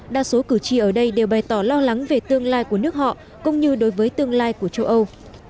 đa số cử tri ở đây đều bày tỏ lo lắng về tương lai của nước họ cũng như đối với tương lai của châu âu